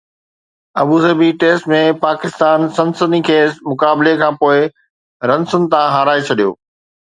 Abu Dhabi test ۾ Pakistan سنسني خیز مقابلي کانپوءِ رنسن تان هارائي ڇڏيو